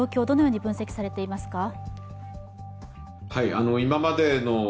どのように分析されていますか？